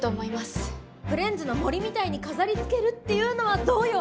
フレンズの森みたいに飾りつけるっていうのはどうよ！